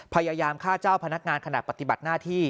พยายามฆ่าเจ้าพนักงานขณะปฏิบัติหน้าที่